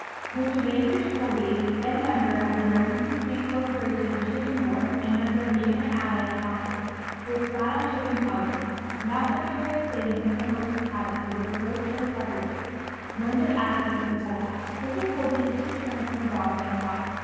Mr. Bainbridge Colby, then member of the Emergency Fleet Corporation of the Shipping Board and member of the Inter Allied Council which sat on shipping problems, now Secretary of State in President Wilson's Cabinet, was approached as a suffragist, known to have access to the President. Mr. Colby had just returned from abroad when I saw him.